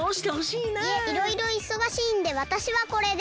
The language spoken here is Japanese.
いえいろいろいそがしいんでわたしはこれで。